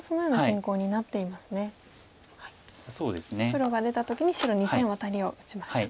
黒が出た時に白２線ワタリを打ちました。